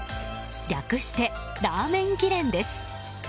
略してラーメン議連です。